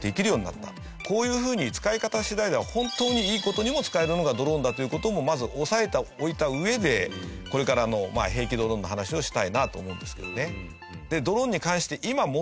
こういうふうに使い方次第では本当にいい事にも使えるのがドローンだという事もまず押さえておいた上でこれからの兵器ドローンの話をしたいなと思うんですけどね。